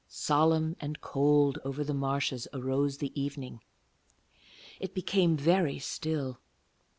Solemn and cold over the marshes arose the evening. It became very still.